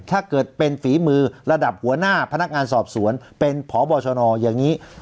ถ้าเกิดเป็นฝีมือระดับหัวหน้าพนักงานสอบสวนเป็นพบชนอย่างนี้